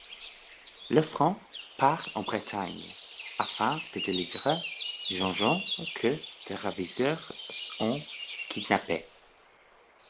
Lefranc part en Bretagne afin de délivrer Jeanjean, que des ravisseurs ont kidnappé.